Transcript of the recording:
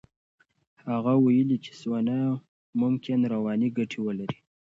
هغه ویلي چې سونا ممکن رواني ګټې ولري.